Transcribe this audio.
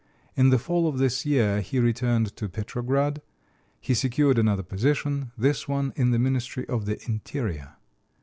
In the fall of this year he returned to Petrograd. He secured another position, this one in the Ministry of the Interior.